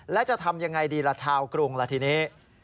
แล้วจะทำยังไงดีล่ะชาวกรุงล่ะทีนี้